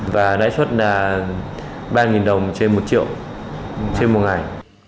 và lãi suất là ba đồng trên một triệu trên một ngày